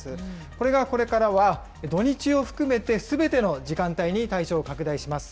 これがこれからは、土日を含めてすべての時間帯に対象を拡大します。